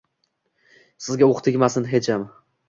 Sizga o’q tegmasin hecham